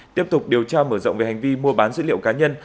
tiếp tục điều tra mở rộng về hành vi mua bán dữ liệu cá nhân